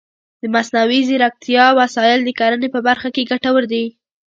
د مصنوعي ځیرکتیا وسایل د کرنې په برخه کې ګټور دي.